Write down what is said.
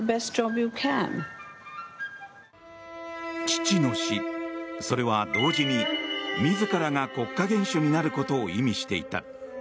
父の死、それは同時に自らが国家元首になることを意味していた。